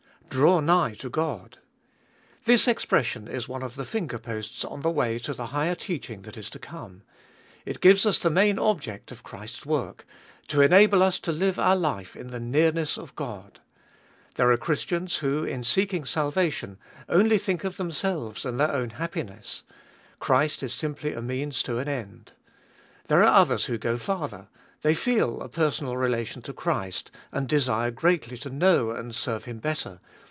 Draw nigh to God ! This expression is one of the finger posts on the way to the higher teaching that is to come. It gives us the main object of Christ's work : to enable us to live our life in the nearness of God. There are Christians who, in seeking salvation, only think of themselves and their own happiness : Christ is simply a means to an end. There are others who go farther : they feel a personal relation to Christ, and desire greatly to know and serve Him better.